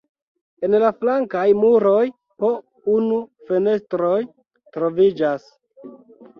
En la flankaj muroj po unu fenestroj troviĝas.